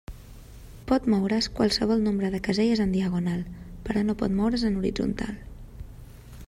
Pot moure's qualsevol nombre de caselles en diagonal, però no pot moure's en horitzontal.